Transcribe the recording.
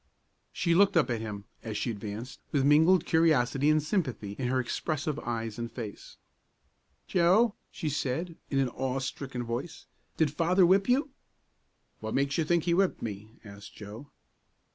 She looked up at him, as she advanced, with mingled curiosity and sympathy in her expressive eyes and face. "Joe," she said, in an awe stricken voice, "did Father whip you?" "What makes you think he whipped me?" asked Joe.